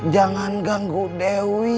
jangan ganggu dewi